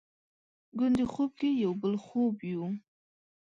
ګوندې خوب کې یو بل خوب یو؟